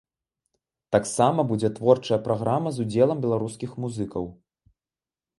Таксама будзе творчая праграма з удзелам беларускіх музыкаў.